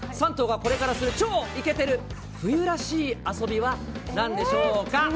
３頭がこれからする超いけてる冬らしい遊びはなんでしょうか？